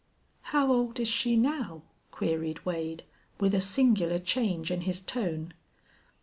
"How old is she now?" queried Wade, with a singular change in his tone.